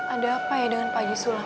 ada apa ya dengan pak haji sulam